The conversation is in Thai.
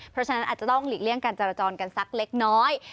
เพราะฉะนั้นอาจจะต้องหลีกเลี่ยงการจรจรกันสักเล็กน้อย